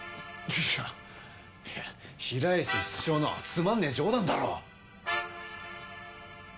いや平安室長のつまんねえ冗談だろ。